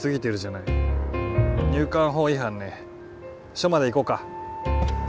署まで行こうか。